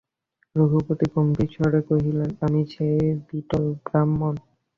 রঘুপতি গম্ভীরস্বরে কহিলেন, আমিই সেই বিটল ব্রাহ্মণ।